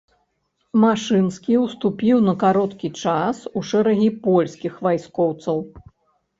Машынскі ўступіў на кароткі час у шэрагі польскіх вайскоўцаў.